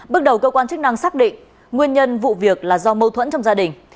bước đầu cơ quan chức năng xác định nguyên nhân vụ việc là do mâu thuẫn trong gia đình